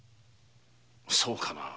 そうかな？